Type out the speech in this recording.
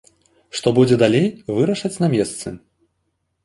Што будзе далей, вырашаць на месцы.